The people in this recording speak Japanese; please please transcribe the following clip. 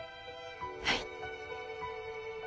はい。